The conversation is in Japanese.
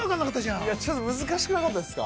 ◆いや、ちょっと難しくなかったですか。